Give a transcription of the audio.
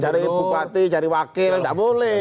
cari bupati cari wakil nggak boleh